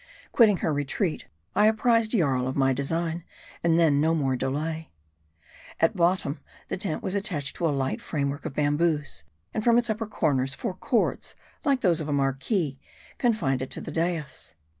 Quitting her retreat, I apprised Jarl of my design ; and then, no more delay ! At bottom, the tent was attached to a light framework of bamboos ; and from its upper corners, four cords, like those of a marquee, confined it to the dais.